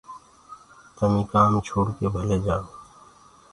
تمي ڪآم ڇوڙ ڪي ڀلي جآئو۔